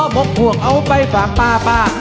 หมกหวกเอาไปป่าป่าต่าย